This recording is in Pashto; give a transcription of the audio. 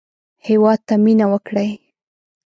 هېواد ته مېنه وکړئ